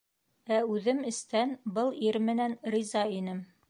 Ә үҙем эстән был ир менән риза инем.